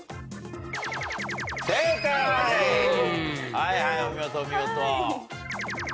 はいはいお見事お見事。